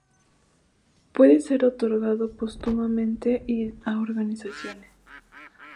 Puede ser otorgado póstumamente y a organizaciones.